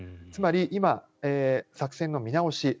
つまり今、作戦の見直し